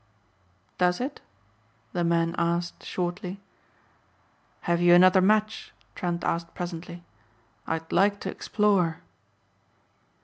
"Does it?" the man asked shortly. "Have you another match?" Trent asked presently. "I'd like to explore."